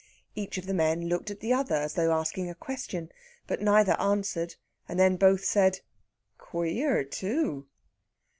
Each of the men looked at the other, as though asking a question. But neither answered, and then both said, "Queer, too!"